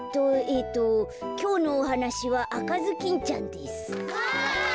えっときょうのおはなしは「あかずきんちゃん」です。わ。